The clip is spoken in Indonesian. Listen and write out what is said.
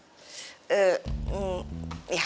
mama lagi sibuk ya